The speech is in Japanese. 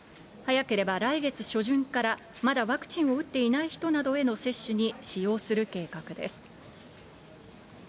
早ければ来月初旬から、まだワクチンを打っていない人などへの接種に使用する計画です。